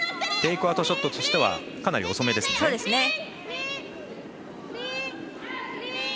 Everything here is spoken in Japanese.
テイクアウトショットとしてはかなり遅めですね。